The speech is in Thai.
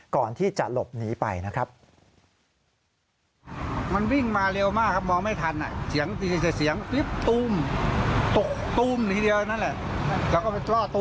ก่อนที่จะหลบหนีไปนะครับ